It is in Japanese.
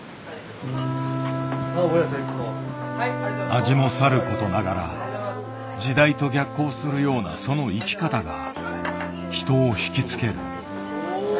味もさることながら時代と逆行するようなその生き方が人をひき付ける。